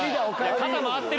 肩回ってる。